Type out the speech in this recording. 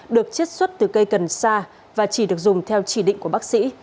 được chiết xuất từ cây cần sa và chỉ được dùng theo chỉ định của bác sĩ